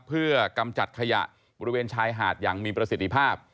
เพื่อกำจัดขยะบริเวณชายหาดอย่างมีประสิทธิภาพ